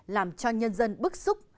làm cho nhân dân bức xúc